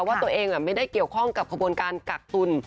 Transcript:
ว่าตัวเองไม่ได้เกี่ยวข้องกับขบวนการกักตุล